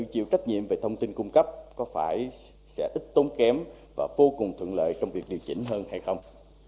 chịu trách nhiệm về thông tin cung cấp có phải sẽ ít tốn kém và vô cùng thuận lợi trong việc điều chỉnh hơn hay không